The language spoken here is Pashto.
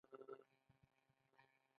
زه د میوو په موضوعاتو کې هم کار کړی.